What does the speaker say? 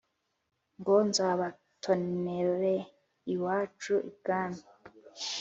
ngo nzabatonere iwacu i bwami